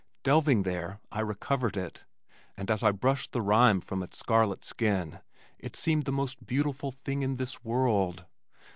Delving there I recovered it, and as I brushed the rime from its scarlet skin it seemed the most beautiful thing in this world.